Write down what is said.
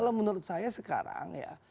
kalau menurut saya sekarang ya